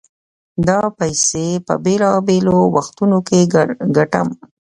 دا پيسې په بېلابېلو وختونو کې ګټم.